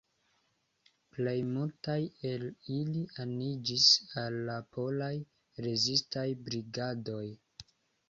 Plej multaj el ili aniĝis al la polaj rezistaj brigadoj.